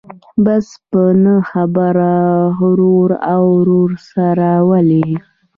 بس په نه خبره ورور او ورور سره ولي.